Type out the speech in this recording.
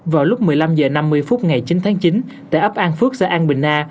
vào lúc một mươi năm h năm mươi phút ngày chín tháng chín tại ấp an phước xã an bình a